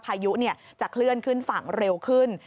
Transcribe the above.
พายุจะเคลื่อนขึ้นฝั่งเร็วขึ้น